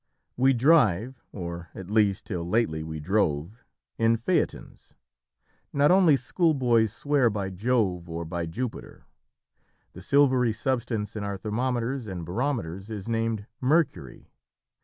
We drive or, at least, till lately we drove in Phaetons. Not only schoolboys swear by Jove or by Jupiter. The silvery substance in our thermometers and barometers is named Mercury.